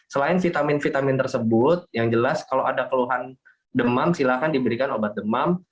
selain vitamin vitamin tersebut yang jelas kalau ada keluhan demam silahkan diberikan obat demam